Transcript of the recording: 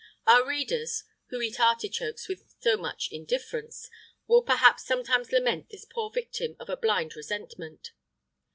Our readers, who eat artichokes with so much indifference, will, perhaps, sometimes lament this poor victim of a blind resentment.